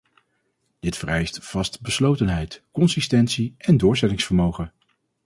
Dit vereist vastbeslotenheid, consistentie en doorzettingsvermogen.